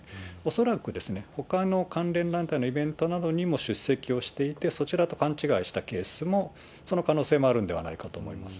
恐らくですね、ほかの関連団体のイベントなどにも出席をしていて、そちらと勘違いしたケースも、その可能性もあるんではないかと思います。